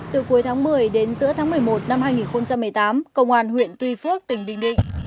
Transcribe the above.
từ cuối tháng một mươi đến giữa tháng một mươi một năm hai nghìn một mươi tám công an huyện tuy phước tỉnh bình định